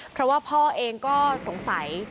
เพราะว่าพ่อเองก็สงสัย